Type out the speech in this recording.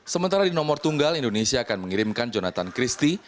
sementara di nomor tunggal indonesia akan mengirimkan jonathan christie